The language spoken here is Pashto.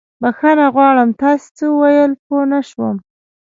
بښنه غواړم، تاسې څه وويل؟ پوه نه شوم.